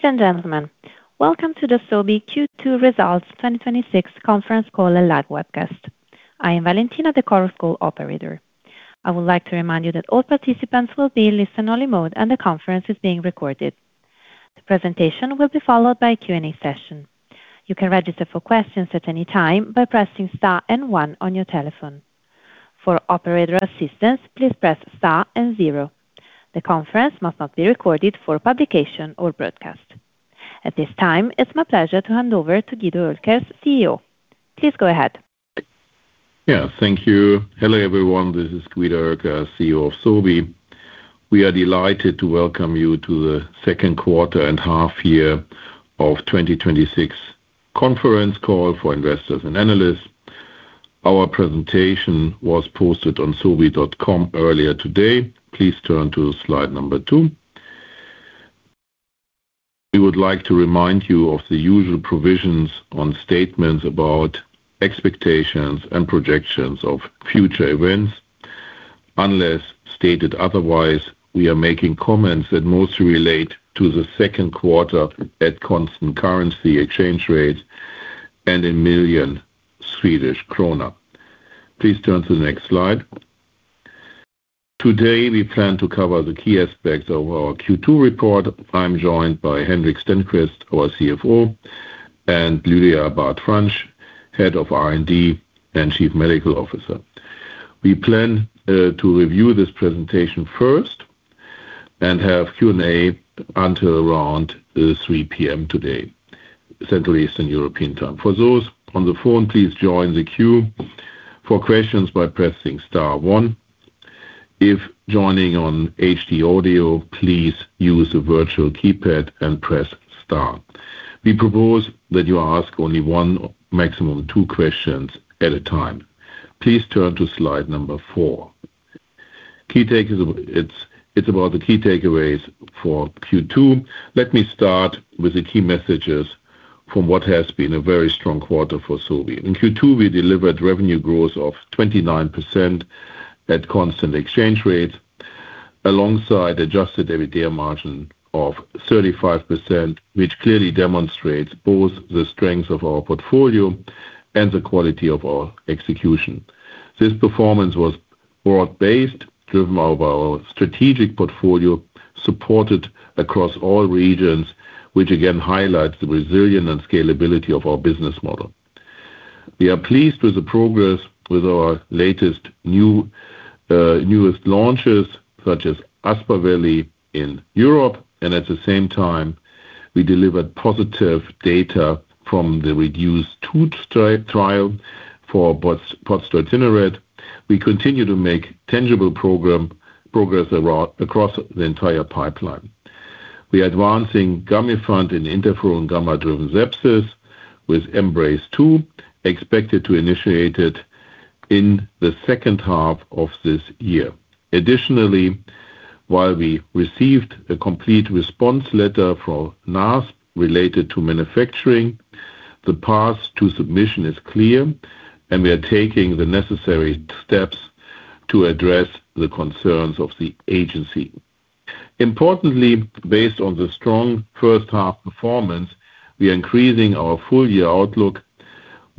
Ladies and gentlemen, welcome to the Sobi Q2 Results 2026 Conference Call and Live Webcast. I am Valentina, the conference call operator. I would like to remind you that all participants will be in listen-only mode, and the conference is being recorded. The presentation will be followed by a Q&A session. You can register for questions at any time by pressing star and one on your telephone. For operator assistance, please press star and zero. The conference must not be recorded for publication or broadcast. At this time, it's my pleasure to hand over to Guido Oelkers, CEO. Please go ahead. Yeah, thank you. Hello, everyone. This is Guido Oelkers, CEO of Sobi. We are delighted to welcome you to the second quarter and half year of 2026 conference call for investors and analysts. Our presentation was posted on sobi.com earlier today. Please turn to slide number two. We would like to remind you of the usual provisions on statements about expectations and projections of future events. Unless stated otherwise, we are making comments that mostly relate to the second quarter at constant currency exchange rates and in million Swedish kroner. Please turn to the next slide. Today, we plan to cover the key aspects of our Q2 report. I'm joined by Henrik Stenqvist, our CFO, and Lydia Abad-Franch, Head of R&D and Chief Medical Officer. We plan to review this presentation first and have Q&A until around 3:00 P.M. today, Central Eastern European time. For those on the phone, please join the queue for questions by pressing star one. If joining on HD audio, please use the virtual keypad and press star. We propose that you ask only one, maximum two questions at a time. Please turn to slide number four. It's about the key takeaways for Q2. Let me start with the key messages from what has been a very strong quarter for Sobi. In Q2, we delivered revenue growth of 29% at constant exchange rates alongside adjusted EBITA margin of 35%, which clearly demonstrates both the strength of our portfolio and the quality of our execution. This performance was broad-based, driven by our strategic portfolio, supported across all regions, which again highlights the resilience and scalability of our business model. We are pleased with the progress with our latest newest launches, such as Aspaveli in Europe, and at the same time, we delivered positive data from the REDUCE 2 trial for pozdeutinurad. We continue to make tangible progress across the entire pipeline. We're advancing Gamifant in interferon-gamma driven sepsis with EMBRACE II expected to initiate it in the second half of this year. Additionally, while we received a complete response letter from NASP related to manufacturing, the path to submission is clear, and we are taking the necessary steps to address the concerns of the agency. Importantly, based on the strong first half performance, we are increasing our full-year outlook,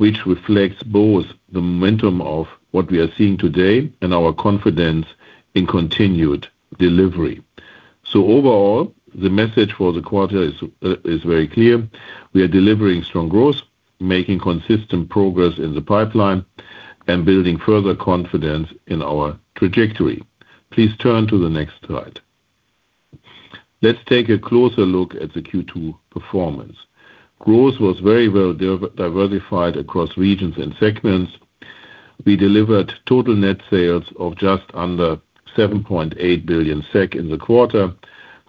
which reflects both the momentum of what we are seeing today and our confidence in continued delivery. Overall, the message for the quarter is very clear. We are delivering strong growth, making consistent progress in the pipeline, and building further confidence in our trajectory. Please turn to the next slide. Let's take a closer look at the Q2 performance. Growth was very well diversified across regions and segments. We delivered total net sales of just under 7.8 billion SEK in the quarter,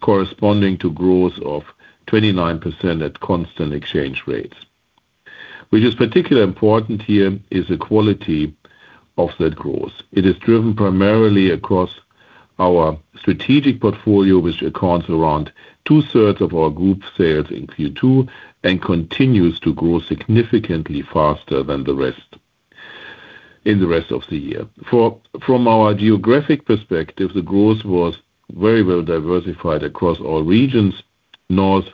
corresponding to growth of 29% at constant exchange rates. What is particularly important here is the quality of that growth. It is driven primarily across our strategic portfolio, which accounts around two-thirds of our group sales in Q2 and continues to grow significantly faster than in the rest of the year. From our geographic perspective, the growth was very well diversified across all regions. North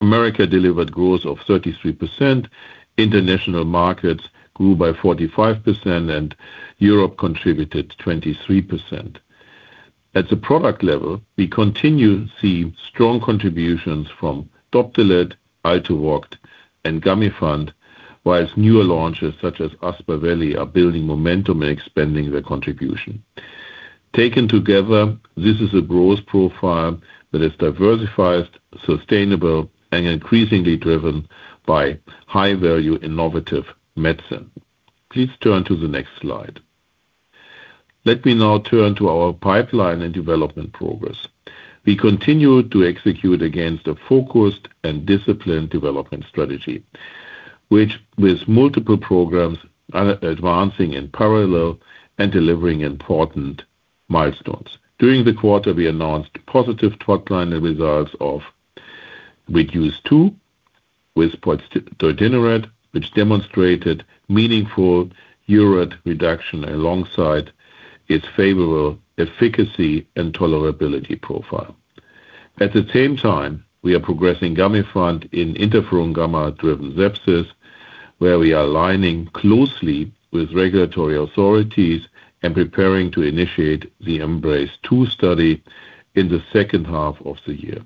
America delivered growth of 33%, international markets grew by 45%, Europe contributed 23%. At the product level, we continue to see strong contributions from Doptelet, ALTUVOCT, and Gamifant, whilst newer launches such as Aspaveli are building momentum and expanding their contribution. Taken together, this is a growth profile that is diversified, sustainable, and increasingly driven by high-value innovative medicine. Please turn to the next slide. Let me now turn to our pipeline and development progress. We continue to execute against a focused and disciplined development strategy, with multiple programs advancing in parallel and delivering important milestones. During the quarter, we announced positive top-line results of REDUCE 2 with pozdeutinurad, which demonstrated meaningful urate reduction alongside its favorable efficacy and tolerability profile. At the same time, we are progressing Gamifant in interferon-gamma driven sepsis, where we are aligning closely with regulatory authorities and preparing to initiate the EMBRACE II study in the second half of the year.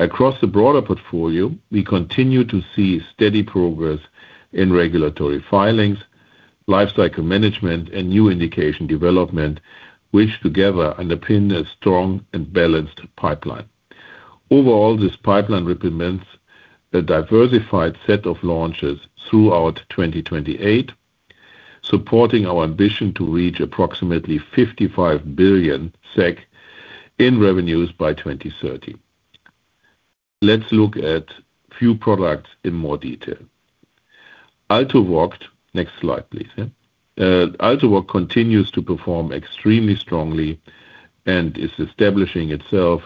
Across the broader portfolio, we continue to see steady progress in regulatory filings, life cycle management, and new indication development, which together underpin a strong and balanced pipeline. Overall, this pipeline represents a diversified set of launches throughout 2028, supporting our ambition to reach approximately 55 billion SEK in revenues by 2030. Let's look at few products in more detail. ALTUVOCT. Next slide, please. ALTUVOCT continues to perform extremely strongly and is establishing itself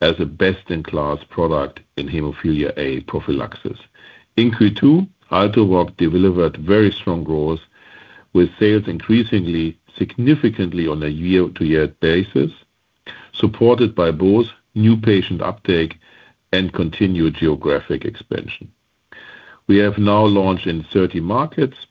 as a best-in-class product in hemophilia A prophylaxis. In Q2, ALTUVOCT delivered very strong growth, with sales increasing significantly on a year-over-year basis, supported by both new patient uptake and continued geographic expansion. We have now launched in 30 markets,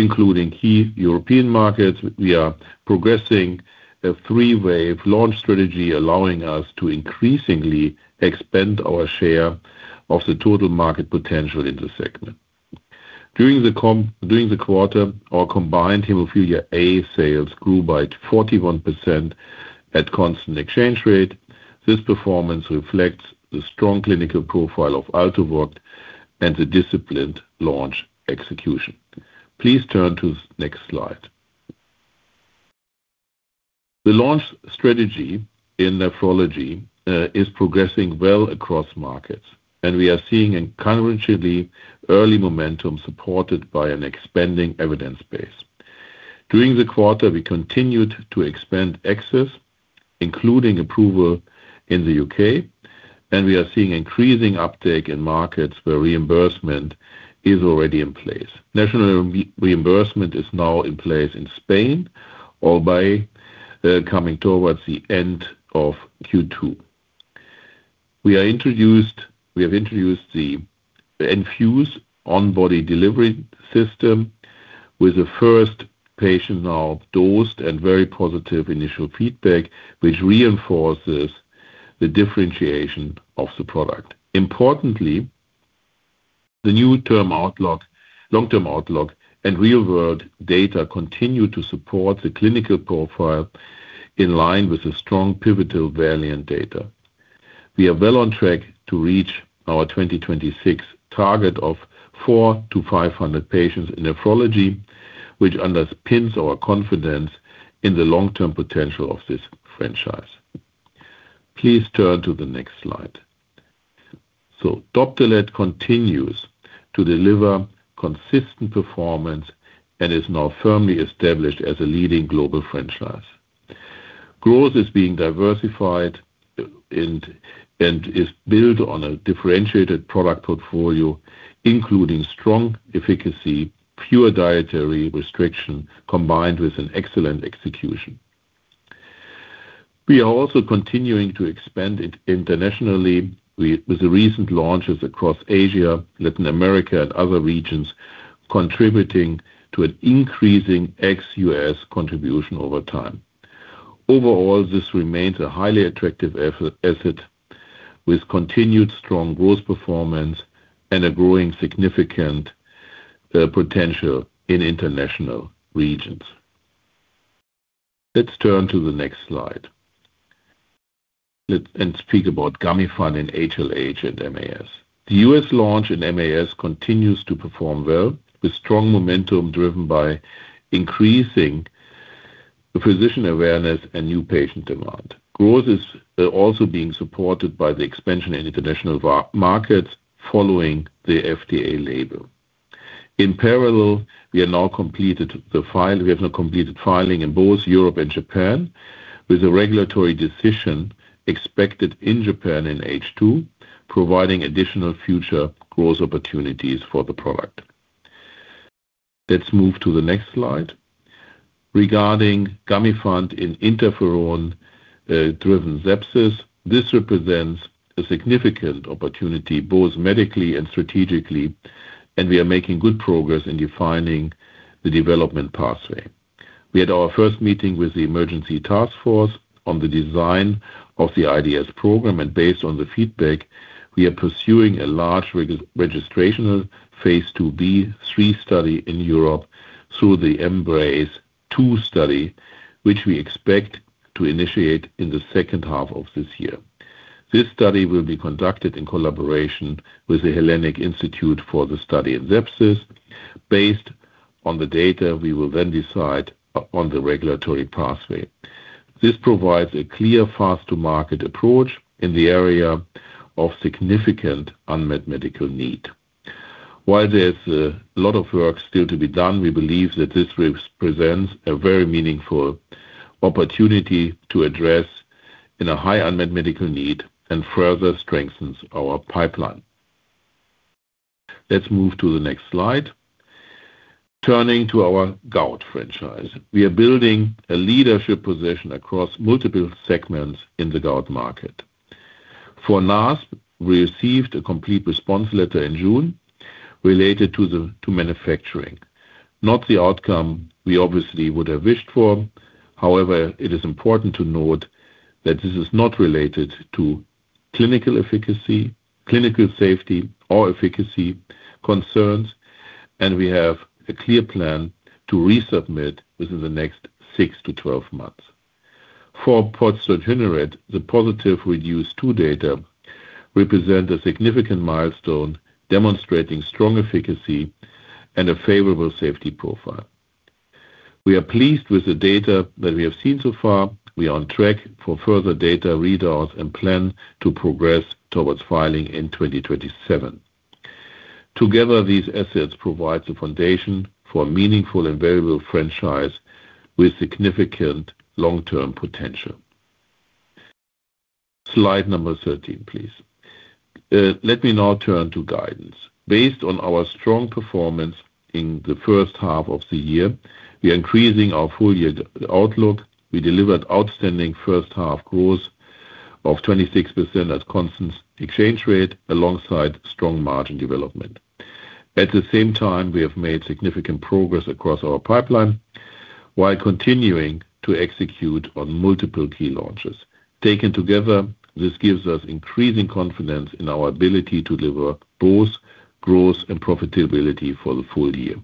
including key European markets. We are progressing a three-wave launch strategy, allowing us to increasingly expand our share of the total market potential in the segment. During the quarter, our combined hemophilia A sales grew by 41% at constant exchange rate. This performance reflects the strong clinical profile of ALTUVOCT and the disciplined launch execution. Please turn to next slide. The launch strategy in nephrology is progressing well across markets, and we are seeing encouragingly early momentum supported by an expanding evidence base. During the quarter, we continued to expand access, including approval in the U.K., and we are seeing increasing uptake in markets where reimbursement is already in place. National reimbursement is now in place in Spain, or by coming towards the end of Q2. We have introduced the enFuse on-body delivery system with the first patient now dosed and very positive initial feedback, which reinforces the differentiation of the product. Importantly, the new long-term outlook and real-world data continue to support the clinical profile in line with the strong pivotal VALIANT data. We are well on track to reach our 2026 target of four to 500 patients in nephrology, which underpins our confidence in the long-term potential of this franchise. Please turn to the next slide. Doptelet continues to deliver consistent performance and is now firmly established as a leading global franchise. Growth is being diversified and is built on a differentiated product portfolio, including strong efficacy, pure dietary restriction, combined with an excellent execution. We are also continuing to expand it internationally with the recent launches across Asia, Latin America, and other regions, contributing to an increasing ex-U.S. contribution over time. Overall, this remains a highly attractive asset with continued strong growth performance and a growing significant potential in international regions. Let's turn to the next slide, and speak about Gamifant in HLH and MAS. The U.S. launch in MAS continues to perform well, with strong momentum driven by increasing physician awareness and new patient demand. Growth is also being supported by the expansion in international markets following the FDA label. In parallel, we have now completed filing in both Europe and Japan, with a regulatory decision expected in Japan in H2, providing additional future growth opportunities for the product. Let's move to the next slide. Regarding Gamifant in interferon-driven sepsis, this represents a significant opportunity, both medically and strategically, and we are making good progress in defining the development pathway. We had our first meeting with the Emergency Task Force on the design of the IDS program, and based on the feedback, we are pursuing a large registrational phase II-B/III study in Europe through the EMBRACE II study, which we expect to initiate in the second half of this year. This study will be conducted in collaboration with the Hellenic Institute for the Study of Sepsis. Based on the data, we will decide on the regulatory pathway. This provides a clear path-to-market approach in the area of significant unmet medical need. While there's a lot of work still to be done, we believe that this presents a very meaningful opportunity to address a high unmet medical need and further strengthens our pipeline. Let's move to the next slide. Turning to our gout franchise. We are building a leadership position across multiple segments in the gout market. For NASP, we received a Complete Response Letter in June related to manufacturing. Not the outcome we obviously would have wished for. However. It is important to note that this is not related to clinical safety or efficacy concerns, and we have a clear plan to resubmit within the next 6-12 months. For pozdeutinurad, the positive REDUCE 2 data represent a significant milestone, demonstrating strong efficacy and a favorable safety profile. We are pleased with the data that we have seen so far. We are on track for further data readouts and plan to progress towards filing in 2027. Together, these assets provide the foundation for a meaningful and valuable franchise with significant long-term potential. Slide number 13, please. Let me now turn to guidance. Based on our strong performance in the first half of the year, we are increasing our full-year outlook. We delivered outstanding first half growth of 26% at constant exchange rate alongside strong margin development. At the same time, we have made significant progress across our pipeline while continuing to execute on multiple key launches. Taken together, this gives us increasing confidence in our ability to deliver both growth and profitability for the full year.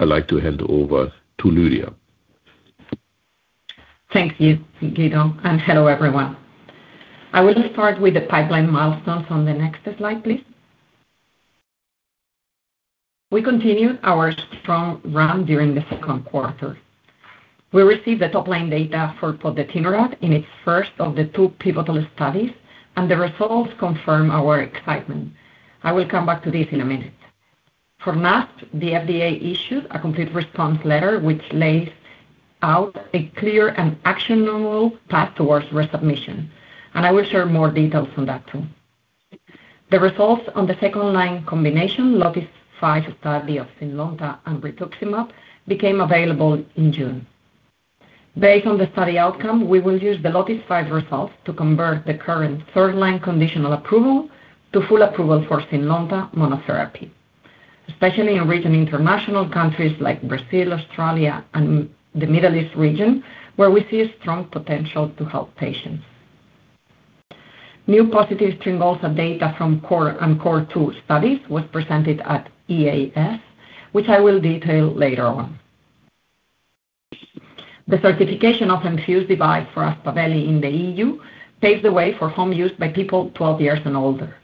I'd like to hand over to Lydia. Thank you, Guido. I will start with the pipeline milestones on the next slide, please. We continued our strong run during the second quarter. We received the top-line data for pozdeutinurad in its first of the two pivotal studies, the results confirm our excitement. I will come back to this in a minute. For NASP, the FDA issued a Complete Response Letter which lays out a clear and actionable path towards resubmission. I will share more details on that too. The results on the second-line combination LOTIS-5 study of Zynlonta and rituximab became available in June. Based on the study outcome, we will use the LOTIS-5 results to convert the current third-line conditional approval to full approval for Zynlonta monotherapy. Especially in regional international countries like Brazil, Australia, and the Middle East region, where we see a strong potential to help patients. New positive Tryngolza data from CORE and CORE2 studies was presented at EAS, which I will detail later on. The certification of enFuse device for Aspaveli in the E.U. paves the way for home use by people 12 years and older.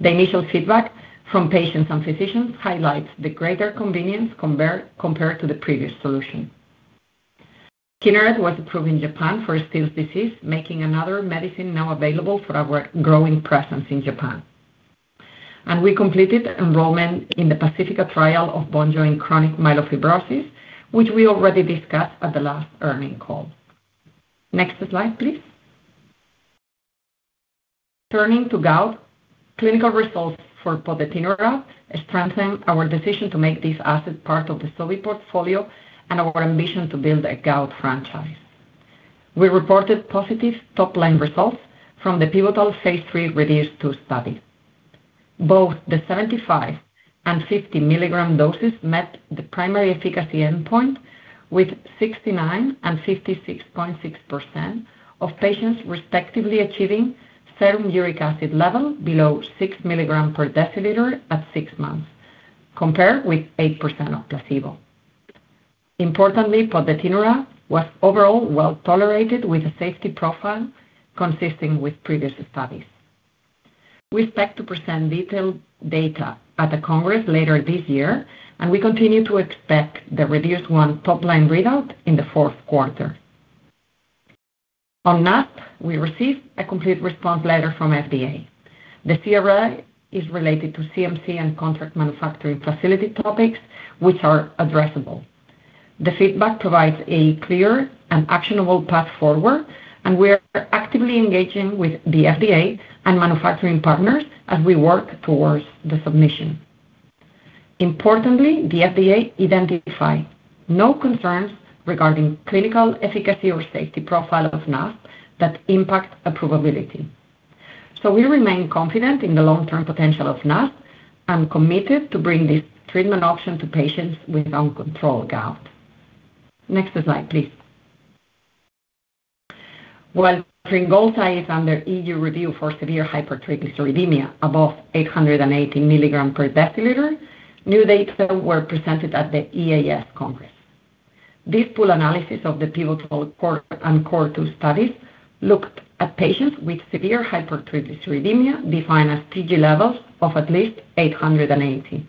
The initial feedback from patients and physicians highlights the greater convenience compared to the previous solution. Kineret was approved in Japan for Still's disease, making another medicine now available for our growing presence in Japan. We completed enrollment in the PACIFICA trial of VONJO in chronic myelofibrosis, which we already discussed at the last earning call. Next slide, please. Turning to gout, clinical results for pozdeutinurad strengthen our decision to make this asset part of the Sobi portfolio and our ambition to build a gout franchise. We reported positive top-line results from the pivotal phase III REDUCE 2 study. Both the 75 mg and 50 mg doses met the primary efficacy endpoint with 69% and 56.6% of patients respectively achieving serum uric acid level below 6 mg per deciliter at six months, compared with 8% of placebo. Importantly, pozdeutinurad was overall well-tolerated with a safety profile consisting with previous studies. We expect to present detailed data at a congress later this year. We continue to expect the REDUCE 1 top-line readout in the fourth quarter. On NASP, we received a Complete Response Letter from FDA. The CRL is related to CMC and contract manufacturing facility topics, which are addressable. The feedback provides a clear and actionable path forward. We are actively engaging with the FDA and manufacturing partners as we work towards the submission. Importantly, the FDA identified no concerns regarding clinical efficacy or safety profile of NASP that impact approvability. We remain confident in the long-term potential of NASP and committed to bring this treatment option to patients with uncontrolled gout. Next slide, please. While Tryngolza is under E.U. review for severe hypertriglyceridemia above 880 mg/dL, new data were presented at the EAS Congress. This pool analysis of the pivotal CORE and CORE2 studies looked at patients with severe hypertriglyceridemia, defined as TG levels of at least 880.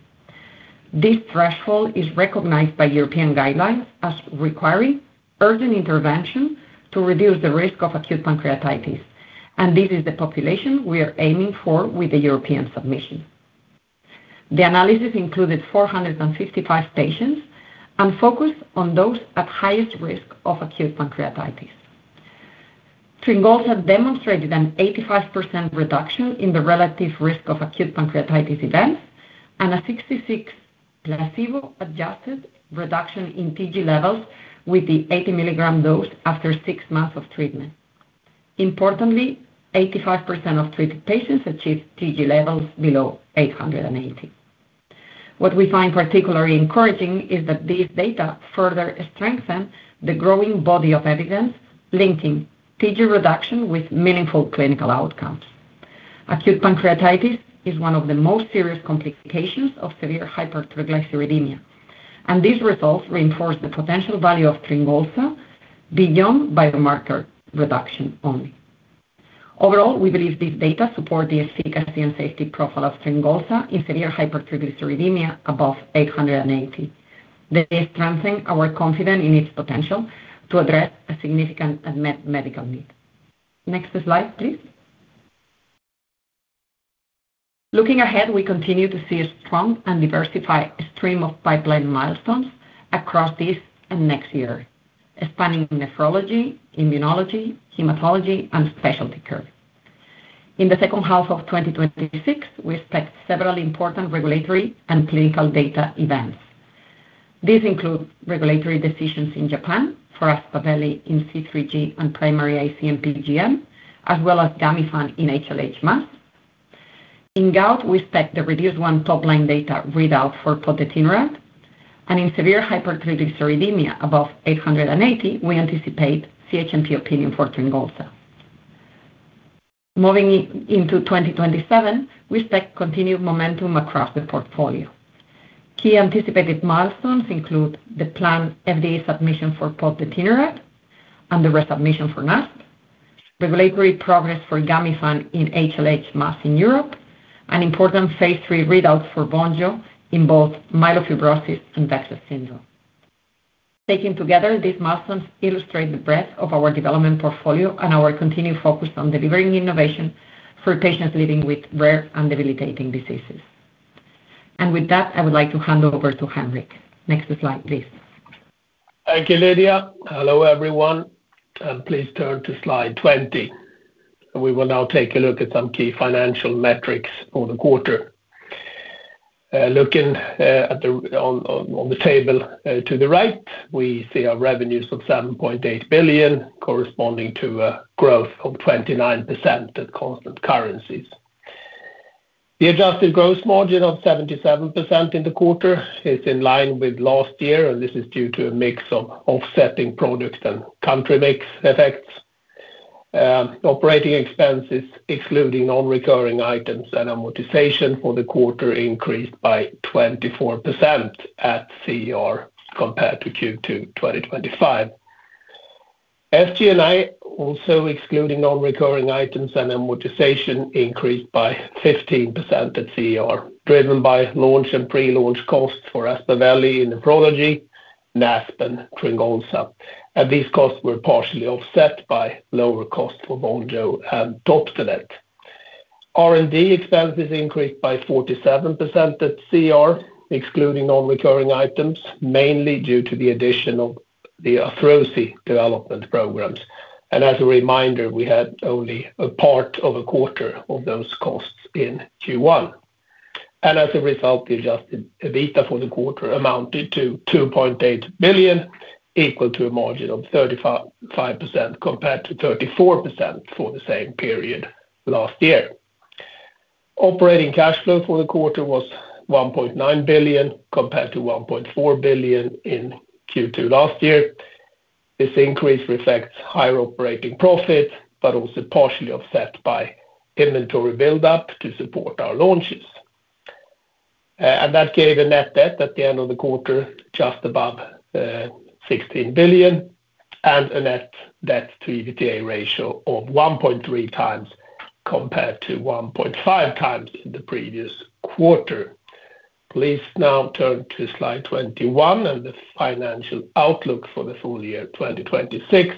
This threshold is recognized by European guidelines as requiring urgent intervention to reduce the risk of acute pancreatitis, and this is the population we are aiming for with the European submission. The analysis included 455 patients and focused on those at highest risk of acute pancreatitis. Tryngolza demonstrated an 85% reduction in the relative risk of acute pancreatitis events and a 66% placebo-adjusted reduction in TG levels with the 80 mg dose after six months of treatment. Importantly, 85% of treated patients achieved TG levels below 880. What we find particularly encouraging is that these data further strengthen the growing body of evidence linking TG reduction with meaningful clinical outcomes. Acute pancreatitis is one of the most serious complications of severe hypertriglyceridemia, and these results reinforce the potential value of Tryngolza beyond biomarker reduction only. Overall, we believe these data support the efficacy and safety profile of Tryngolza in severe hypertriglyceridemia above 880. They strengthen our confidence in its potential to address a significant unmet medical need. Next slide, please. Looking ahead, we continue to see a strong and diversified stream of pipeline milestones across this and next year, spanning nephrology, immunology, hematology, and specialty care. In the second half of 2026, we expect several important regulatory and clinical data events. These include regulatory decisions in Japan for Aspaveli in C3G and primary IC-MPGN and PNH, as well as Gamifant in HLH/MAS. In gout, we expect the REDUCE 1 top-line data readout for pozdeutinurad. In severe hypertriglyceridemia above 880, we anticipate CHMP opinion for Tryngolza. Moving into 2027, we expect continued momentum across the portfolio. Key anticipated milestones include the planned FDA submission for pozdeutinurad and the resubmission for NASP, regulatory progress for Gamifant in HLH/MAS in Europe, and important phase III readouts for VONJO in both myelofibrosis and VEXAS syndrome. Taken together, these milestones illustrate the breadth of our development portfolio and our continued focus on delivering innovation for patients living with rare and debilitating diseases. With that, I would like to hand over to Henrik. Next slide, please. Thank you, Lydia. Hello, everyone, please turn to slide 20. We will now take a look at some key financial metrics for the quarter. Looking on the table to the right, we see our revenues of 7.8 billion, corresponding to a growth of 29% at constant currencies. The adjusted gross margin of 77% in the quarter is in line with last year, and this is due to a mix of offsetting product and country mix effects. Operating expenses, excluding non-recurring items and amortization for the quarter increased by 24% at CER compared to Q2 2025. SG&A, also excluding non-recurring items and amortization, increased by 15% at CER, driven by launch and pre-launch costs for Aspaveli in nephrology, NASP, and Tryngolza. These costs were partially offset by lower costs for VONJO and Doptelet. R&D expenses increased by 47% at CER, excluding non-recurring items, mainly due to the addition of the Arthrosi development programs. As a reminder, we had only a part of a quarter of those costs in Q1. As a result, the adjusted EBITA for the quarter amounted to 2.8 billion, equal to a margin of 35% compared to 34% for the same period last year. Operating cash flow for the quarter was 1.9 billion, compared to 1.4 billion in Q2 last year. This increase reflects higher operating profit, partially offset by inventory buildup to support our launches. That gave a net debt at the end of the quarter just above 16 billion and a net debt to EBITA ratio of 1.3x, compared to 1.5x in the previous quarter. Please now turn to slide 21 and the financial outlook for the full year 2026.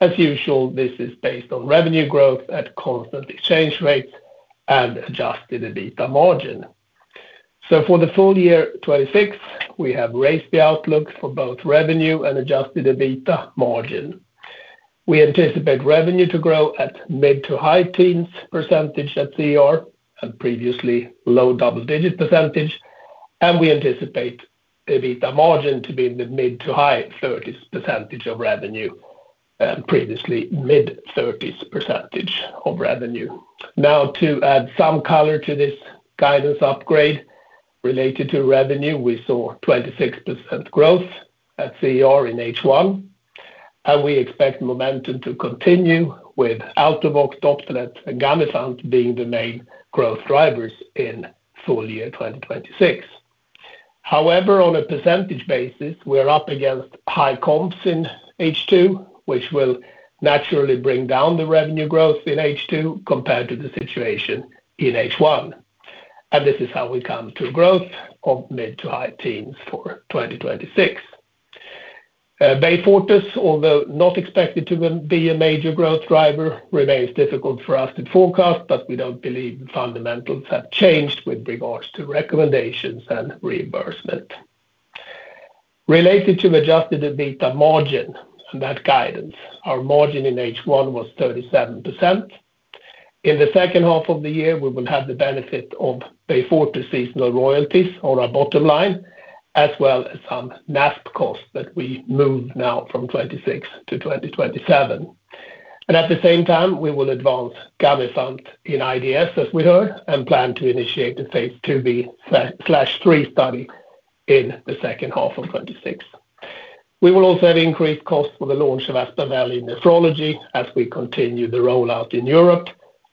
As usual, this is based on revenue growth at constant exchange rates and adjusted EBITA margin. For the full year 2026, we have raised the outlook for both revenue and adjusted EBITA margin. We anticipate revenue to grow at mid-to-high teens percentage at CER, previously low double-digit percentage, we anticipate EBITA margin to be in the mid-to-high 30s percentage of revenue, previously mid-30s percentage of revenue. Now to add some color to this guidance upgrade related to revenue, we saw 26% growth at CER in H1, and we expect momentum to continue with ALTUVOCT, Doptelet, and Gamifant being the main growth drivers in full year 2026. However, on a percentage basis, we are up against high comps in H2, which will naturally bring down the revenue growth in H2 compared to the situation in H1. This is how we come to growth of mid-to-high teens for 2026. Beyfortus, although not expected to be a major growth driver, remains difficult for us to forecast, but we don't believe the fundamentals have changed with regards to recommendations and reimbursement. Related to adjusted EBITA margin and that guidance, our margin in H1 was 37%. In the second half of the year, we will have the benefit of Beyfortus seasonal royalties on our bottom line, as well as some NASP costs that we move now from 2026 to 2027. At the same time, we will advance Gamifant in IDS, as we heard, and plan to initiate the phase II-B/III study in the second half of 2026. We will also have increased costs for the launch of Aspaveli nephrology as we continue the rollout in Europe,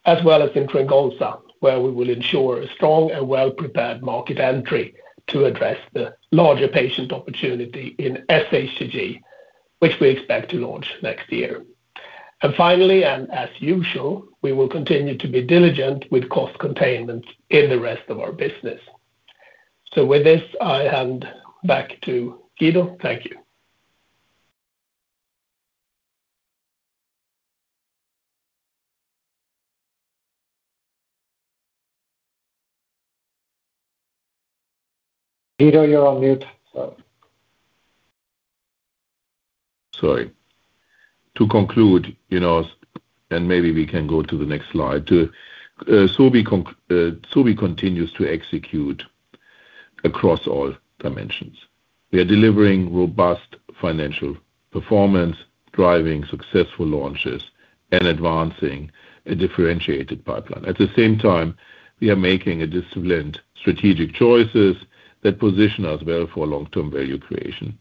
as well as in Tryngolza, where we will ensure a strong and well-prepared market entry to address the larger patient opportunity in sHTG, which we expect to launch next year. Finally, as usual, we will continue to be diligent with cost containment in the rest of our business. With this, I hand back to Guido. Thank you. Guido, you're on mute. Sorry. Maybe we can go to the next slide. Sobi continues to execute across all dimensions. We are delivering robust financial performance, driving successful launches, and advancing a differentiated pipeline. At the same time, we are making disciplined strategic choices that position us well for long-term value creation.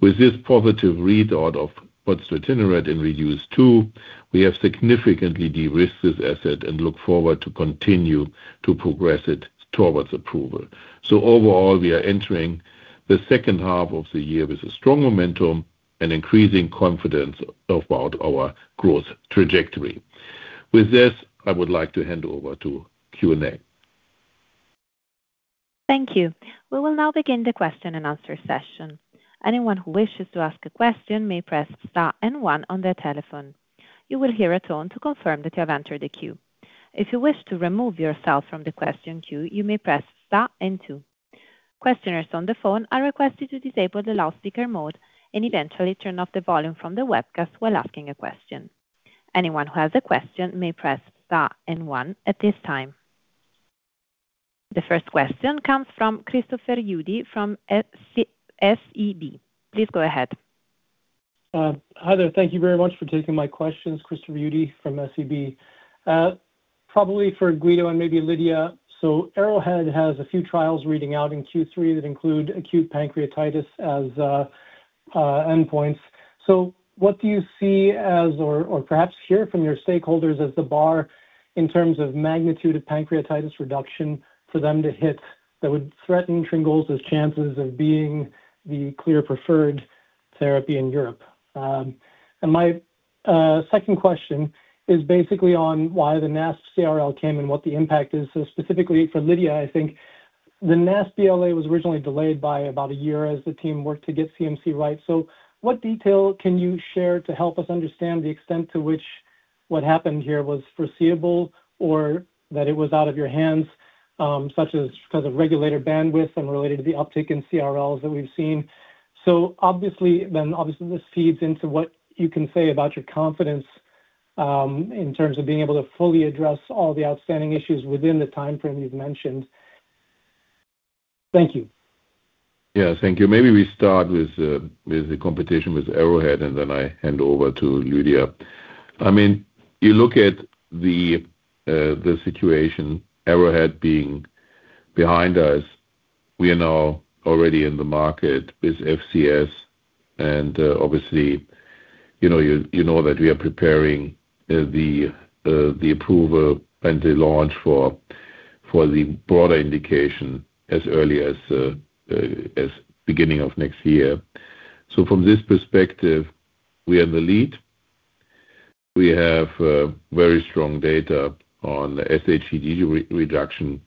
With this positive readout of pozdeutinurad REDUCE 2, we have significantly de-risked this asset and look forward to continue to progress it towards approval. Overall, we are entering the second half of the year with a strong momentum and increasing confidence about our growth trajectory. With this, I would like to hand over to Q&A. Thank you. We will now begin the question and answer session. Anyone who wishes to ask a question may press star one on their telephone. You will hear a tone to confirm that you have entered the queue. If you wish to remove yourself from the question queue, you may press star two. Questioners on the phone are requested to disable the loudspeaker mode and eventually turn off the volume from the webcast while asking a question. Anyone who has a question may press star one at this time. The first question comes from Christopher Uhde from SEB. Please go ahead. Hi there. Thank you very much for taking my questions, Christopher Uhde from SEB. Probably for Guido and maybe Lydia. Arrowhead has a few trials reading out in Q3 that include acute pancreatitis as endpoints. What do you see as or perhaps hear from your stakeholders as the bar in terms of magnitude of pancreatitis reduction for them to hit that would threaten Tryngolza's chances of being the clear preferred therapy in Europe? My second question is basically on why the NASP CRL came and what the impact is. Specifically for Lydia, I think the NASP BLA was originally delayed by about a year as the team worked to get CMC right. What detail can you share to help us understand the extent to which what happened here was foreseeable or that it was out of your hands, such as because of regulator bandwidth and related to the uptick in CRLs that we've seen. Obviously this feeds into what you can say about your confidence in terms of being able to fully address all the outstanding issues within the time frame you've mentioned. Thank you. Yeah. Thank you. Maybe we start with the competition with Arrowhead, then I hand over to Lydia. You look at the situation, Arrowhead being behind us. We are now already in the market with FCS, obviously, you know that we are preparing the approval and the launch for the broader indication as early as beginning of next year. From this perspective, we are the lead. We have very strong data on sHTG reduction,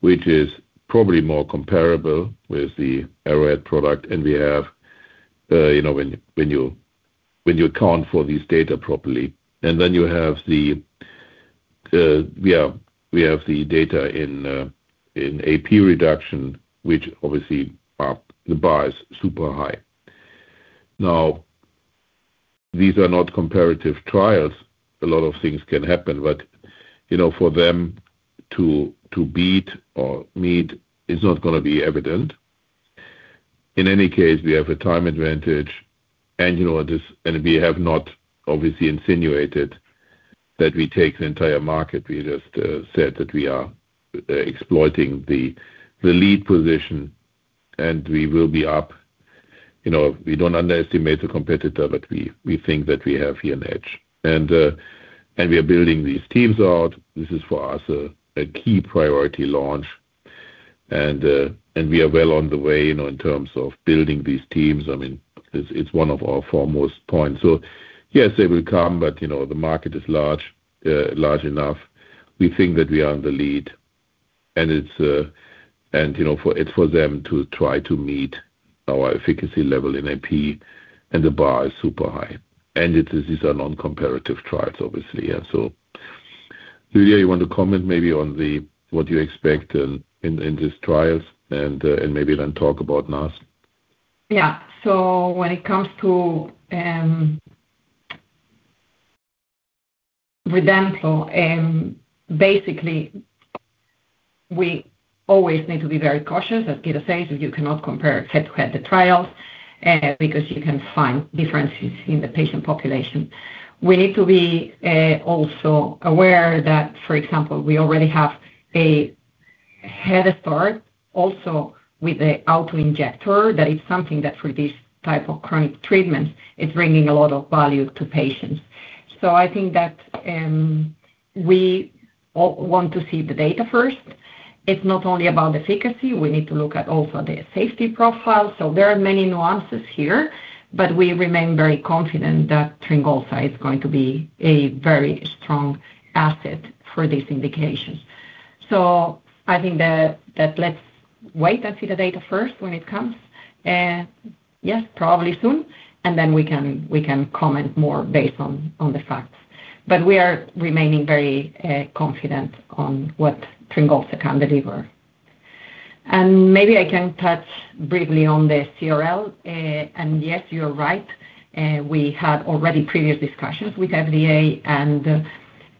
which is probably more comparable with the Arrowhead product when you account for these data properly. Then we have the data in AP reduction, which obviously the bar is super high. These are not comparative trials. A lot of things can happen, but for them to beat or meet is not going to be evident. In any case, we have a time advantage. We have not obviously insinuated that we take the entire market. We just said that we are exploiting the lead position. We will be up. We don't underestimate the competitor, we think that we have here an edge. We are building these teams out. This is for us a key priority launch, we are well on the way in terms of building these teams. It's one of our foremost points. Yes, they will come, but the market is large enough. We think that we are in the lead. It's for them to try to meet our efficacy level in AP, the bar is super high. These are non-comparative trials, obviously. Lydia, you want to comment maybe on what you expect in these trials and maybe then talk about NASH? When it comes to Redemplo, basically, we always need to be very cautious. As Guido says, you cannot compare head-to-head the trials because you can find differences in the patient population. We need to be also aware that, for example, we already have a head start also with the auto-injector. That is something that for this type of chronic treatment is bringing a lot of value to patients. I think that we want to see the data first. It's not only about the efficacy, we need to look at also the safety profile. There are many nuances here, but we remain very confident that Tryngolza is going to be a very strong asset for these indications. I think that let's wait and see the data first when it comes, yes, probably soon, then we can comment more based on the facts. We are remaining very confident on what Tryngolza can deliver. Maybe I can touch briefly on the CRL. Yes, you are right, we had already previous discussions with FDA,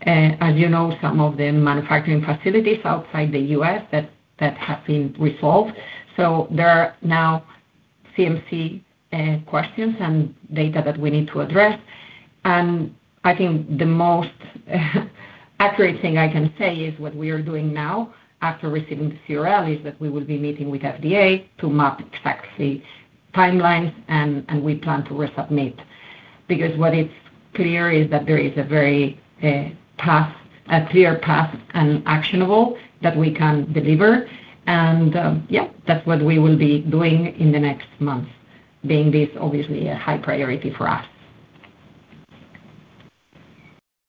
as you know, some of the manufacturing facilities outside the U.S. that have been resolved. There are now CMC questions and data that we need to address. I think the most accurate thing I can say is what we are doing now after receiving the CRL is that we will be meeting with FDA to map exact timelines, we plan to resubmit. What is clear is that there is a very clear path and actionable that we can deliver. That's what we will be doing in the next month, being this obviously a high priority for us.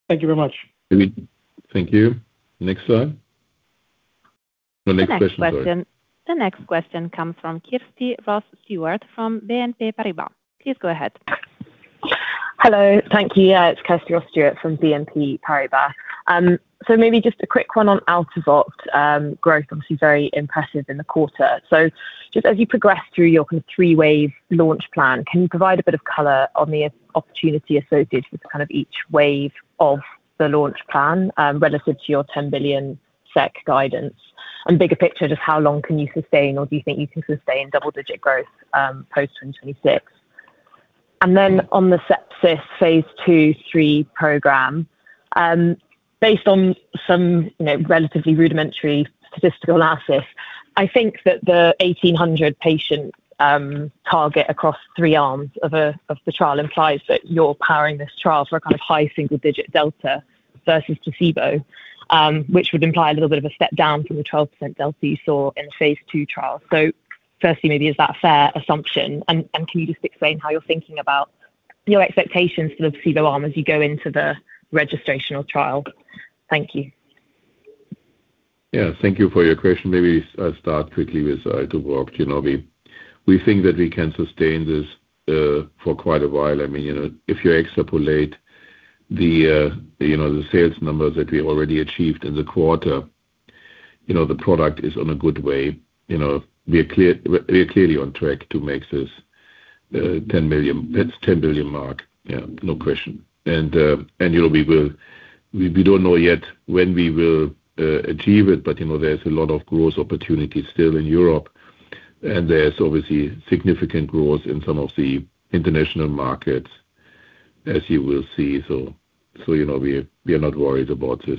Thank you very much. Uhde, thank you. Next slide. Next question, sorry. The next question comes from Kirsty Ross-Stewart, from BNP Paribas. Please go ahead. Hello. Thank you. It's Kirsty Ross-Stewart from BNP Paribas. Maybe just a quick one on ALTUVOCT growth, obviously very impressive in the quarter. Just as you progress through your kind of three-wave launch plan, can you provide a bit of color on the opportunity associated with kind of each wave of the launch plan, relative to your 10 billion SEK guidance? Bigger picture, just how long can you sustain, or do you think you can sustain double-digit growth, post 2026? Then on the sepsis phase II-III program, based on some relatively rudimentary statistical analysis, I think that the 1,800 patients target across three arms of the trial implies that you're powering this trial for a kind of high single-digit delta versus placebo, which would imply a little bit of a step down from the 12% delta you saw in the phase II trial. Firstly, maybe is that a fair assumption? Can you just explain how you're thinking about your expectations for the placebo arm as you go into the registrational trial? Thank you. Thank you for your question. Maybe I'll start quickly with ALTUVOCT. We think that we can sustain this for quite a while. If you extrapolate the sales numbers that we already achieved in the quarter, the product is on a good way. We are clearly on track to make this 10 billion mark. No question. We don't know yet when we will achieve it, but there's a lot of growth opportunity still in Europe, there's obviously significant growth in some of the international markets as you will see. We are not worried about this.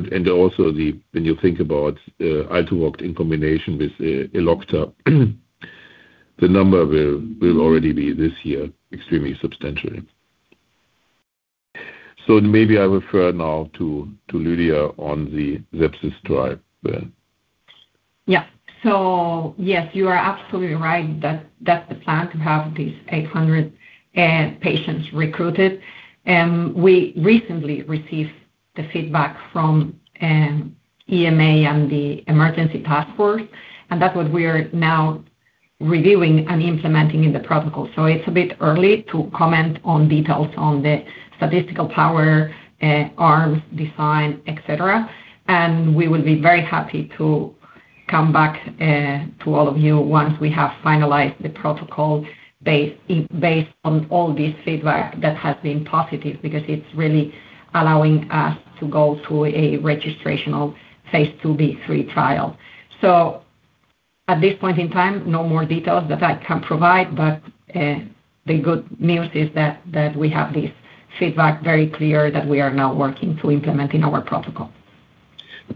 Also when you think about ALTUVOCT in combination with Elocta, the number will already be this year extremely substantial. Maybe I refer now to Lydia on the sepsis trial then. Yes, you are absolutely right that that's the plan, to have these 800 patients recruited. We recently received the feedback from EMA and the Emergency Task Force, that's what we are now reviewing and implementing in the protocol. It's a bit early to comment on details on the statistical power, arms, design, et cetera. We will be very happy to come back to all of you once we have finalized the protocol based on all this feedback that has been positive, because it's really allowing us to go through a registrational phase II-B/III trial. At this point in time, no more details that I can provide, but the good news is that we have this feedback very clear that we are now working to implement in our protocol.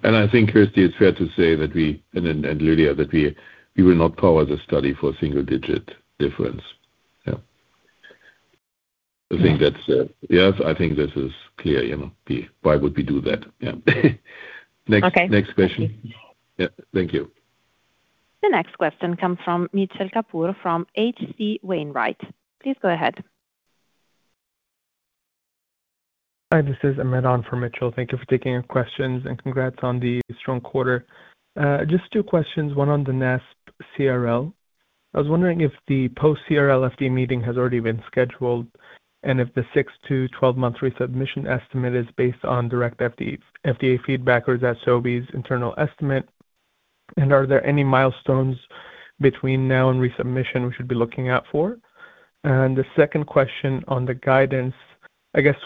I think, Kirsty, it's fair to say that we, and Lydia, that we will not power the study for a single-digit difference. I think this is clear. Why would we do that? Yeah. Okay. Next question. Thank you. Yeah. Thank you. The next question comes from Mitchell Kapoor from H.C. Wainwright. Please go ahead. Hi, this is [Emran] for Mitchell. Thank you for taking our questions and congrats on the strong quarter. Just two questions, one on the NASP CRL. I was wondering if the post CRL FDA meeting has already been scheduled, if the 6-12 month resubmission estimate is based on direct FDA feedback or is that Sobi's internal estimate. Are there any milestones between now and resubmission we should be looking out for? The second question on the guidance,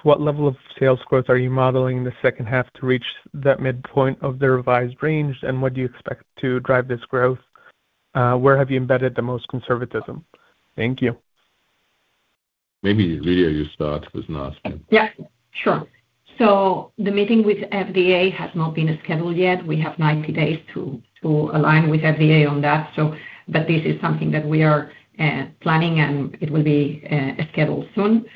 what level of sales growth are you modeling in the second half to reach that midpoint of the revised range, and what do you expect to drive this growth? Where have you embedded the most conservatism? Thank you. Maybe Lydia, you start with NASP. Yeah. Sure. The meeting with FDA has not been scheduled yet. We have 90 days to align with FDA on that. This is something that we are planning, and it will be scheduled soon.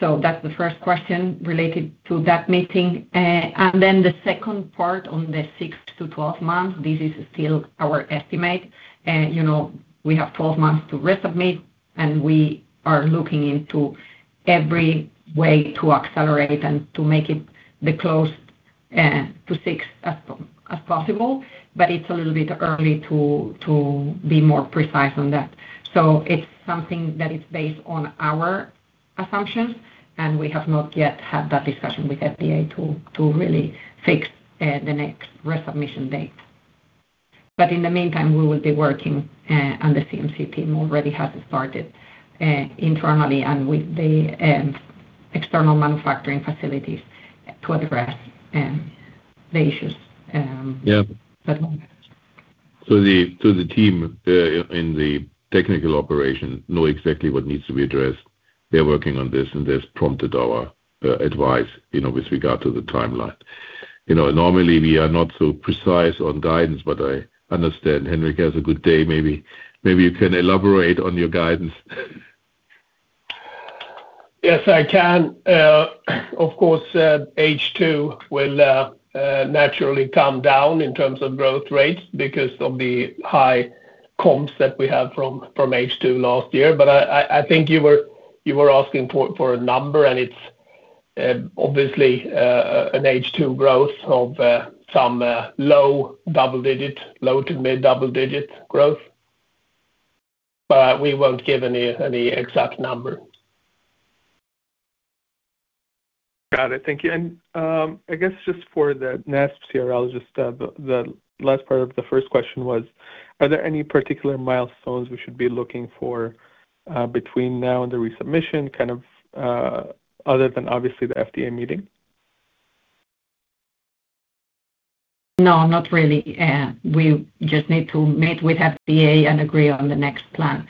That's the first question related to that meeting. The second part on the 6-12 months, this is still our estimate. We have 12 months to resubmit, and we are looking into every way to accelerate and to make it close to six as possible. It's a little bit early to be more precise on that. It's something that is based on our assumptions, and we have not yet had that discussion with FDA to really fix the next resubmission date. In the meantime, we will be working, and the CMC team already has started internally and with the external manufacturing facilities to address the issues. More on that. The team in the technical operation know exactly what needs to be addressed. They're working on this, and they've prompted our advice with regard to the timeline. Normally we are not so precise on guidance, but I understand Henrik has a good day. Maybe you can elaborate on your guidance. Yes, I can. Of course, H2 will naturally come down in terms of growth rates because of the high comps that we have from H2 last year. I think you were asking for a number, and it's obviously an H2 growth of some low to mid double-digit growth. We won't give any exact number. Got it. Thank you. I guess just for the NASP CRL, just the last part of the first question was, are there any particular milestones we should be looking for between now and the resubmission other than obviously the FDA meeting? No, not really. We just need to meet with FDA and agree on the next plan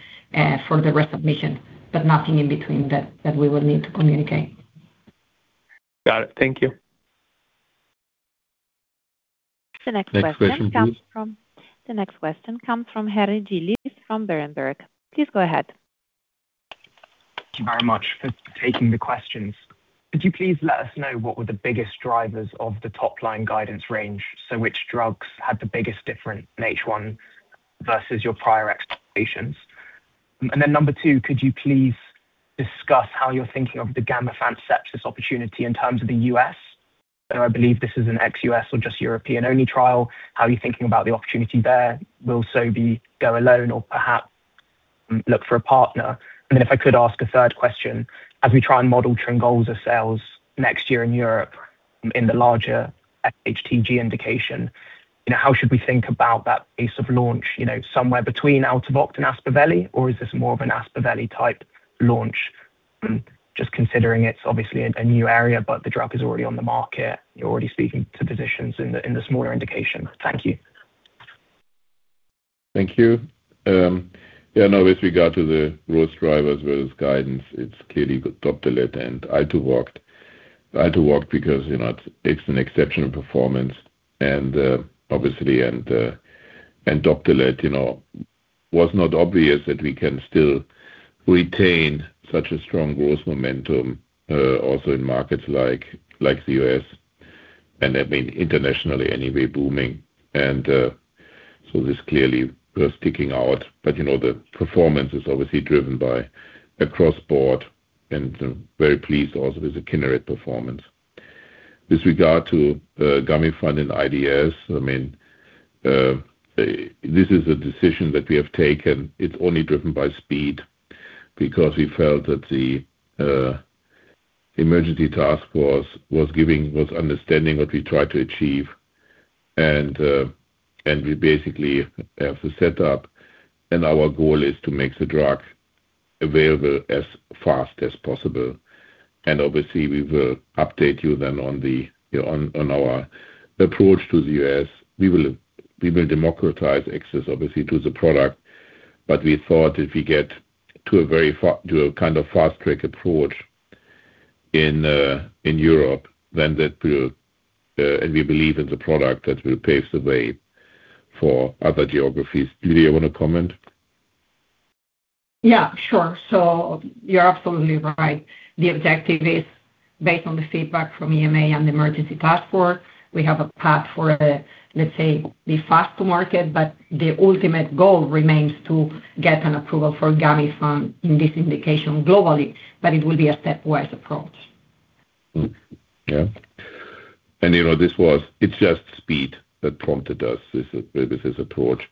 for the resubmission. Nothing in between that we will need to communicate. Got it. Thank you. The next question comes from Harry Gillis from Berenberg. Please go ahead. Thank you very much for taking the questions. Could you please let us know what were the biggest drivers of the top-line guidance range? Which drugs had the biggest difference in H1 versus your prior expectations? Number two, could you please discuss how you're thinking of the Gamifant sepsis opportunity in terms of the U.S.? I believe this is an ex-U.S. or just European-only trial. How are you thinking about the opportunity there? Will Sobi go alone or perhaps look for a partner? If I could ask a third question. As we try and model Tryngolza sales next year in Europe in the larger HTG indication, how should we think about that pace of launch? Somewhere between ALTUVOCT and Aspaveli, or is this more of an Aspaveli type launch? Just considering it's obviously a new area, but the drug is already on the market. You're already speaking to physicians in the smaller indication. Thank you. Thank you. With regard to the growth drivers versus guidance, it's clearly Doptelet and ALTUVOCT. ALTUVOCT because it's an exceptional performance, obviously. Doptelet was not obvious that we can still retain such a strong growth momentum also in markets like the U.S., and internationally anyway booming. This clearly was sticking out. The performance is obviously driven by across board, and very pleased also with the Kineret performance. With regard to Gamifant and IDS, this is a decision that we have taken. It's only driven by speed because we felt that the Emergency Task Force was understanding what we tried to achieve, and we basically have the setup and our goal is to make the drug available as fast as possible. Obviously we will update you then on our approach to the U.S. We will democratize access, obviously, to the product. We thought if we get to a kind of fast track approach in Europe, and we believe in the product, that will pave the way for other geographies. Lydia, you want to comment? You're absolutely right. The objective is based on the feedback from EMA and the Emergency Task Force. We have a path for, let's say, the fast-to-market, but the ultimate goal remains to get an approval for Gamifant in this indication globally, but it will be a stepwise approach. It's just speed that prompted us with this approach.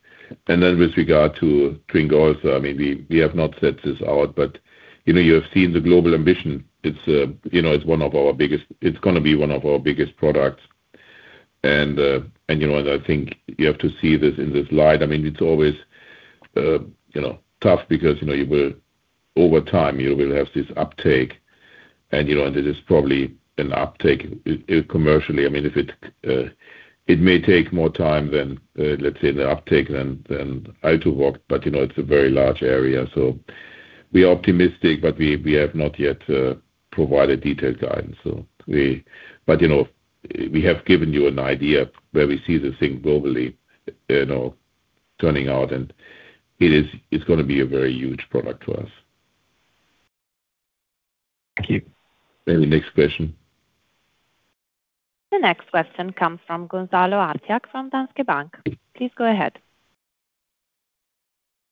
With regard to Tryngolza, we have not set this out, but you have seen the global ambition. It's going to be one of our biggest products. I think you have to see this in this light. It's always tough because over time you will have this uptake, and this is probably an uptake commercially. It may take more time than, let's say, the uptake than rituximab, but it's a very large area. We are optimistic, but we have not yet provided detailed guidance. We have given you an idea of where we see this thing globally turning out, and it's going to be a very huge product for us. Thank you. Maybe next question. The next question comes from Gonzalo Artiach from Danske Bank. Please go ahead.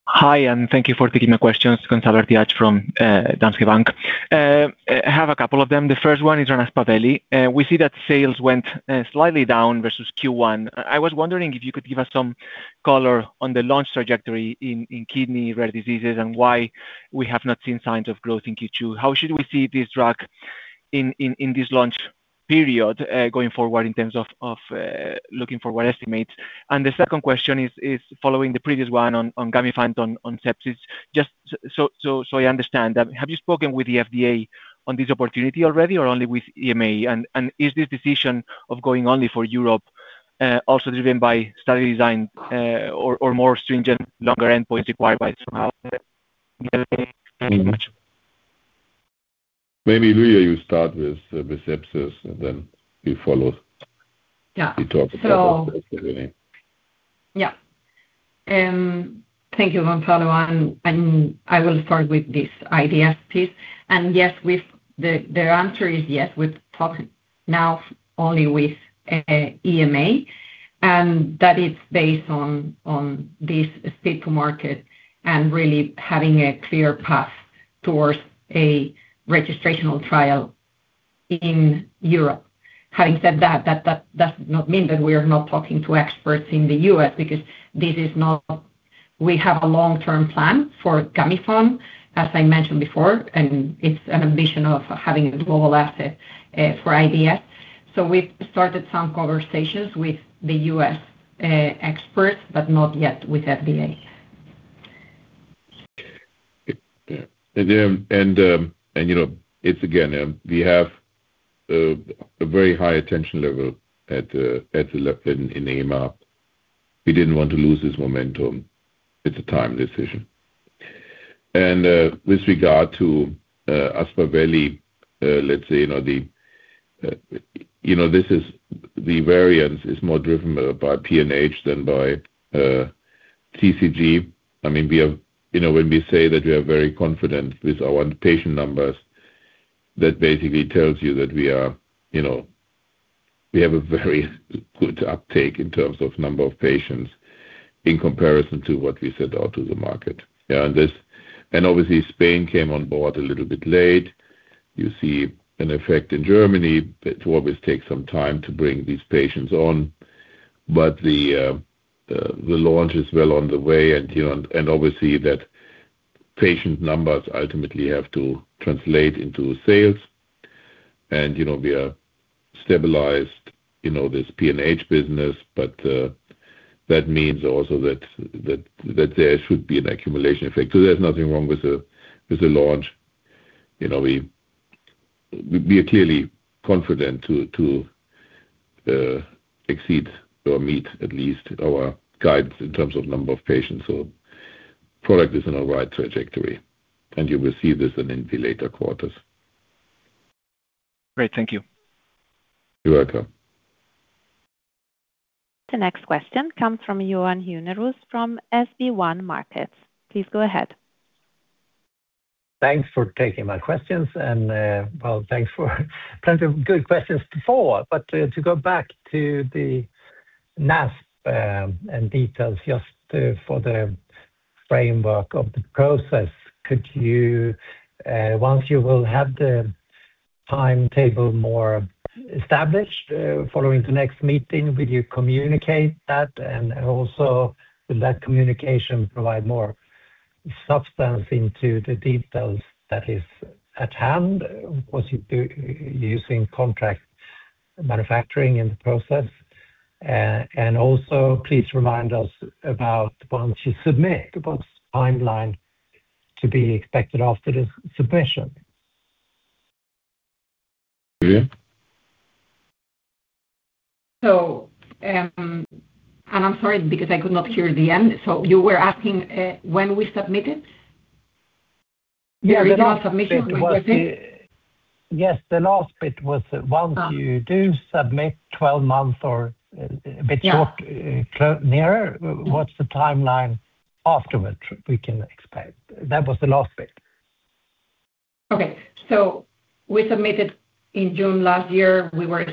Hi, thank you for taking my questions, Gonzalo Artiach from Danske Bank. I have a couple of them. The first one is on Aspaveli. We see that sales went slightly down versus Q1. I was wondering if you could give us some color on the launch trajectory in kidney rare diseases and why we have not seen signs of growth in Q2. How should we see this drug in this launch period going forward in terms of looking forward estimates? The second question is following the previous one on Gamifant on sepsis. Just so I understand, have you spoken with the FDA on this opportunity already or only with EMA? Is this decision of going only for Europe also driven by study design or more stringent longer endpoints required by some? Thank you very much. Maybe, Lydia, you start with sepsis and then we follow. Yeah. We talk about that. Thank you, Gonzalo. I will start with this IDS piece. The answer is yes, we're talking now only with EMA, and that is based on this speed to market and really having a clear path towards a registrational trial in Europe. Having said that does not mean that we are not talking to experts in the U.S. because we have a long-term plan for Gamifant, as I mentioned before, and it's an ambition of having a global asset for IDS. We've started some conversations with the U.S. experts, but not yet with FDA. It's again, we have a very high attention level at the left in EMA. We didn't want to lose this momentum. It's a time decision. With regard to Aspaveli, let's say, the variance is more driven by PNH than by C3G. When we say that we are very confident with our patient numbers, that basically tells you that we have a very good uptake in terms of number of patients in comparison to what we said out to the market. Obviously, Spain came on board a little bit late. You see an effect in Germany. It will always take some time to bring these patients on. The launch is well on the way, and obviously that patient numbers ultimately have to translate into sales. We are stabilized this PNH business, but that means also that there should be an accumulation effect. There's nothing wrong with the launch. We are clearly confident to exceed or meet at least our guidance in terms of number of patients. Product is in a right trajectory, and you will see this in later quarters. Great. Thank you. You're welcome. The next question comes from Johan Unnérus from SB1 Markets. Please go ahead. Thanks for taking my questions, well, thanks for plenty of good questions before. To go back to the NASP and details just for the framework of the process, once you will have the timetable more established following the next meeting, will you communicate that? Also, will that communication provide more substance into the details that is at hand? Of course, you're using contract manufacturing in the process. Also please remind us about once you submit, what timeline to be expected after the submission. Lydia? I'm sorry, because I could not hear the end. You were asking when we submitted? Yes, the last bit was once you do submit 12 months or a bit shorter, nearer, what's the timeline afterward we can expect? That was the last bit. We submitted in June last year. Our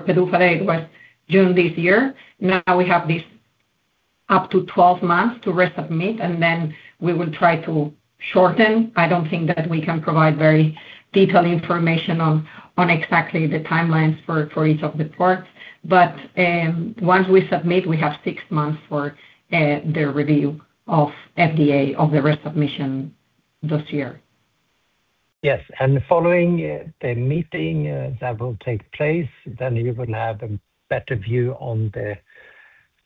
PDUFA date was June this year. We have this up to 12 months to resubmit, then we will try to shorten. I do not think that we can provide very detailed information on exactly the timelines for each of the products. Once we submit, we have six months for the review of FDA of the resubmission this year. Yes. Following the meeting that will take place, you will have a better view on the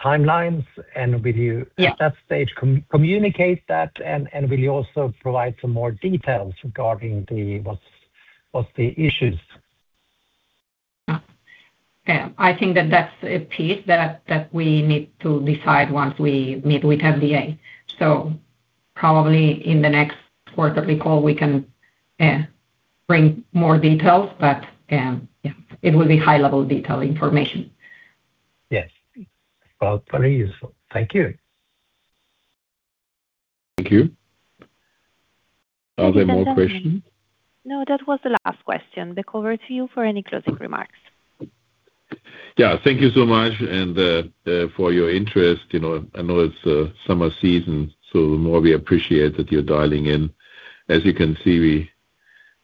timelines. Will you at that stage communicate that, will you also provide some more details regarding what are the issues? I think that that is a piece that we need to decide once we meet with FDA. Probably in the next quarterly call, we can bring more details, it will be high-level detail information. Yes. Well, very useful. Thank you. Thank you. Are there more questions? No, that was the last question. Back over to you for any closing remarks. Thank you so much and for your interest. I know it's summer season. The more we appreciate that you're dialing in. As you can see,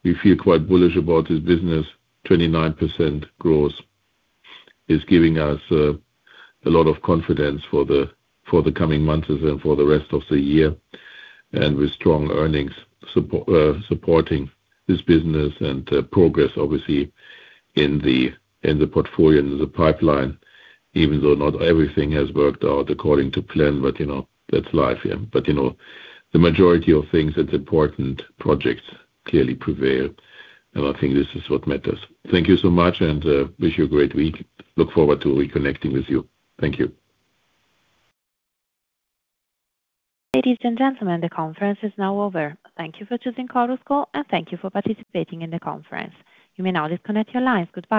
we feel quite bullish about this business. 29% growth is giving us a lot of confidence for the coming months and for the rest of the year. With strong earnings supporting this business and progress, obviously, in the portfolio, in the pipeline, even though not everything has worked out according to plan, that's life. The majority of things that's important, projects clearly prevail, and I think this is what matters. Thank you so much, and wish you a great week. Look forward to reconnecting with you. Thank you. Ladies and gentlemen, the conference is now over. Thank you for choosing Chorus Call, and thank you for participating in the conference. You may now disconnect your lines. Goodbye.